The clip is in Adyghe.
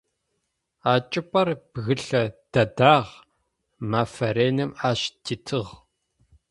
А чӏыпӏэр бгылъэ дэдагъ, мэфэ реным ащ титыгъ.